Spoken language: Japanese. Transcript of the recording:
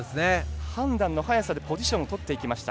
判断の速さでポジションを取っていきました。